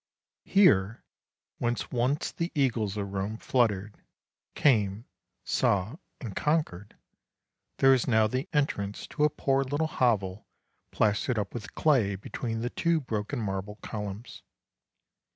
Here, whence once the eagles of Rome fluttered — came, saw, and conquered — there is now the entrance to a poor little hovel plastered up with clay between the two broken marble columns.